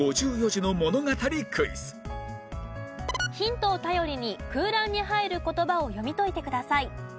５４字の物語クイズヒントを頼りに空欄に入る言葉を読み解いてください。